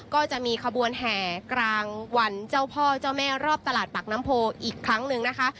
ก็จะมีขบวนแห่กลางวันเจ้าพ่อเจ้าแม่รอบตลาดปากน้ำโพอีกครั้งหนึ่งนะคะ